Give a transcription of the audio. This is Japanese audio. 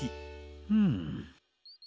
うん。